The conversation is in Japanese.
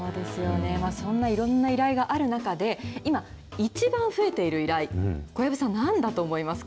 そんないろんな依頼がある中で、今、一番増えている依頼、小藪さん、なんだと思いますか？